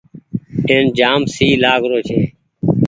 اين جآم سئي لآگ رو ڇي۔